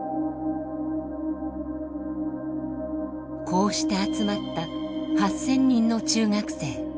こうして集まった８，０００人の中学生。